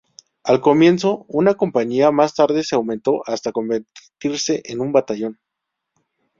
Al comienzo una compañía, más tarde se aumentó hasta convertirse en un batallón.